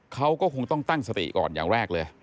เขาก็คงต้องตั้งสติก่อนอย่างแรกเลย